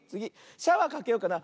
シャワーかけようかな。